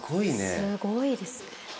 すごいですね。